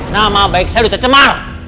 nama baik saya sudah cemar